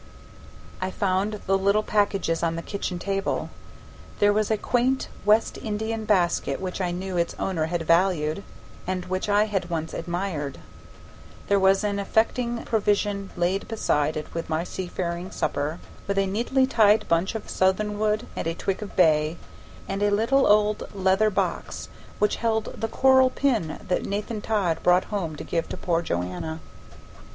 I found the little packages on the kitchen table. There was a quaint West Indian basket which I knew its owner had valued, and which I had once admired; there was an affecting provision laid beside it for my seafaring supper, with a neatly tied bunch of southernwood and a twig of bay, and a little old leather box which held the coral pin that Nathan Todd brought home to give to poor Joanna.